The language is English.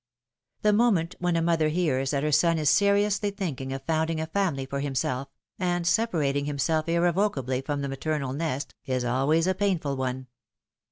The moment when a mother hears that her son is seri ously thinking of founding a family for himself, and separating himself irrevocably from the maternal nest, is always a painful one.